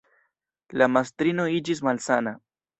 La mastrino iĝis malsana.